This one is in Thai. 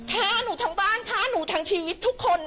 ฆ่าหนูทั้งบ้านฆ่าหนูทั้งชีวิตทุกคน